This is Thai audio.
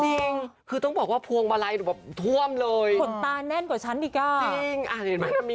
อันนี้มีไลค์ด้วยนะคะคุณผู้ชม